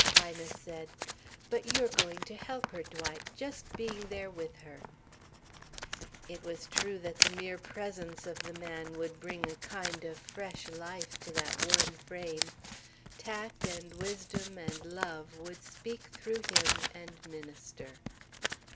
Ina said: "But you're going to help her, Dwight, just being there with her." It was true that the mere presence of the man would bring a kind of fresh life to that worn frame. Tact and wisdom and love would speak through him and minister.